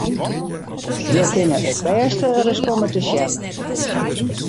Jo kinne it bêste ris komme te sjen!